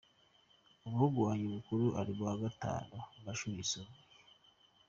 umuhungu wanjye mukuru ari mu wa gatanu mu mashuri yisumbuye.